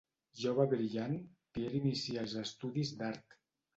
Jove brillant, Pierre inicia els estudis d'art.